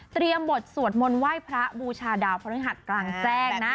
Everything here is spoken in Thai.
บทสวดมนต์ไหว้พระบูชาดาวพฤหัสกลางแจ้งนะ